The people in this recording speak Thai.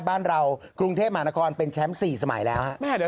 บ้านเรากรุงเทพมหานครเป็นแชมป์๔สมัยแล้วฮะ